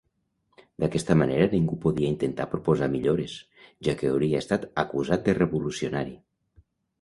D'aquesta manera ningú podia intentar proposar millores, ja que hauria estat acusat de revolucionari.